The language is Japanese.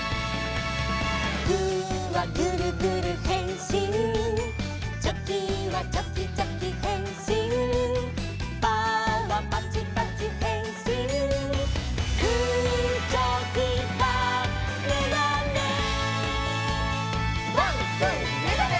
「グーはグルグルへんしん」「チョキはチョキチョキへんしん」「パーはパチパチへんしん」「グーチョキパーめがね」「ワンツーめがね！」